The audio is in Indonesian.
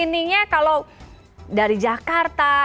screeningnya kalau dari jakarta